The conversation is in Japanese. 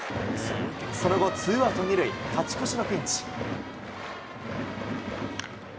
その後、ツーアウト２塁、勝ち越しのピンチ。